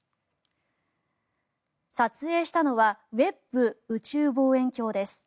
撮影したのはウェッブ宇宙望遠鏡です。